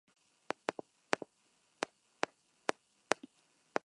Las transformaciones de ambas partes bajo una simetría quiral no cancela en general.